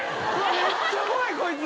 めっちゃ怖いこいつ。